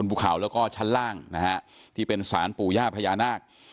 ภูเขาแล้วก็ชั้นล่างนะฮะที่เป็นสารปู่ย่าพญานาค